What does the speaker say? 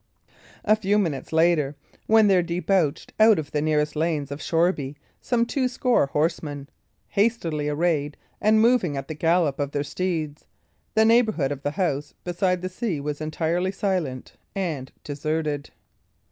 A few minutes later, when there debauched out of the nearest lanes of Shoreby some two score horsemen, hastily arrayed and moving at the gallop of their steeds, the neighbourhood of the house beside the sea was entirely silent and deserted.